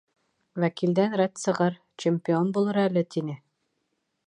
Вәкилдән рәт сығыр, чемпион булыр әле, тине.